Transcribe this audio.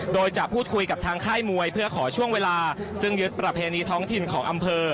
โดยจะพูดคุยกับทางค่ายมวยเพื่อขอช่วงเวลาซึ่งยึดประเพณีท้องถิ่นของอำเภอ